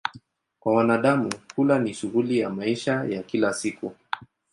Kwa wanadamu, kula ni shughuli ya maisha ya kila siku.